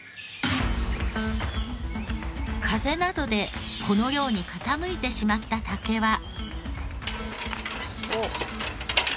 風などでこのように傾いてしまった竹は。